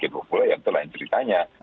ya itulah yang ceritanya